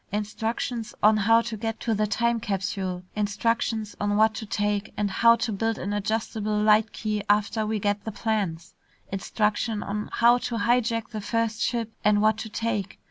Instructions on how to get to the time capsule; instructions on what to take, and how to build an adjustable light key after we get the plans; instructions on how to hijack the first ship and what to take.